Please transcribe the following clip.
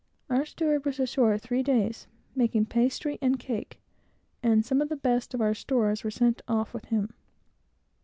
Our steward was ashore three days, making pastry and cake, and some of the best of our stores were sent off with him.